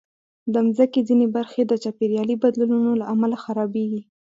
د مځکې ځینې برخې د چاپېریالي بدلونونو له امله خرابېږي.